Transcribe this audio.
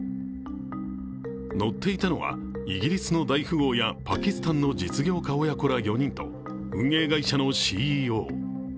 乗っていたのはイギリスの大富豪やパキスタンの実業家親子ら４人と運営会社のＣＥＯ。